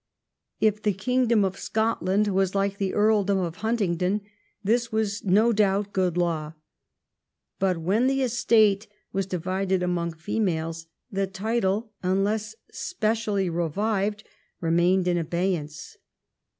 If the kingdom of Scotland was like the earldom of Huntingdon this was no doubt good law. And when the estate was divided among females, the title, unless specially revived, remained in abeyance.